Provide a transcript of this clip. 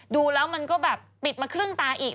ดูแล้วมันก็แบบปิดมาครึ่งตาอีก